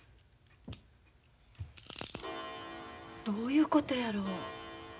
どういうことやろ。